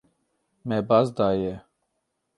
Me baz daye.